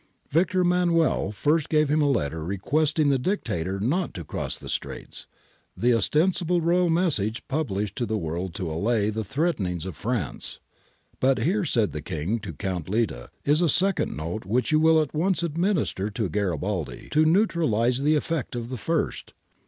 Victor Emmanuel first gave him a letter requesting the Dictator not to cross the Straits — the ostensible royal message published to the world to allay the threatenings of France. But here, said the King to Count Litta, is a second note which you will at once administer to Garibaldi 'to neutralize the effect of the first.'